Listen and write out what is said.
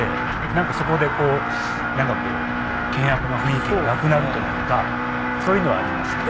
なんかそこでこうなんかこう険悪な雰囲気がなくなるというかそういうのはありました。